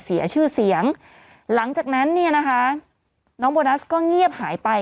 เสียชื่อเสียงหลังจากนั้นเนี่ยนะคะน้องโบนัสก็เงียบหายไป